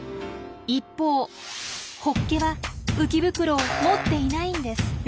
一方ホッケは「浮き袋」を持っていないんです。